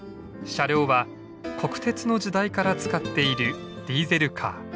車両は国鉄の時代から使っているディーゼルカー。